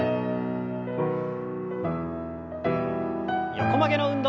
横曲げの運動。